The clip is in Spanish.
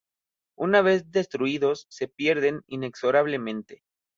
Una vez destruidos, se pierden inexorablemente.